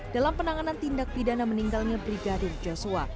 dalam penanganan tindak pidana meninggalnya brigadir joshua